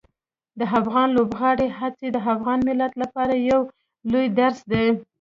د افغان لوبغاړو هڅې د افغان ملت لپاره یو لوی درس دي.